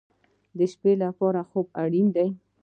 د شپې لپاره خوب اړین دی